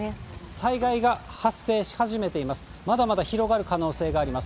災害が発生し始めています。